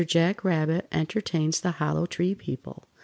JACK RABBIT ENTERTAINS THE HOLLOW TREE PEOPLE.